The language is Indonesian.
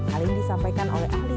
hal ini disampaikan oleh angli gizi